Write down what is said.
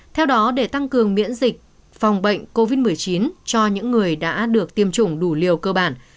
theo đó để tăng cường miễn dịch phòng bệnh covid một mươi chín cho những người đã được tiêm chủng đủ liều cơ bản